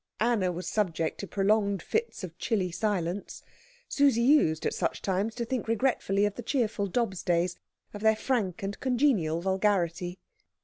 Anna was subject to prolonged fits of chilly silence. Susie used, at such times, to think regretfully of the cheerful Dobbs days, of their frank and congenial vulgarity.